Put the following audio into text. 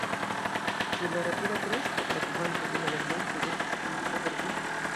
Ĉu la rapida kresko en la kvanto de la lernantoj estis atendita por vi?